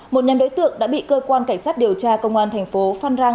một nhân đối tượng đã bị cơ quan cảnh sát điều tra công an tp phan rang